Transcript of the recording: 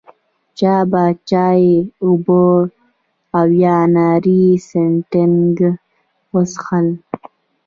چا به چای، اوبه یا اناري سټینګ وڅښل.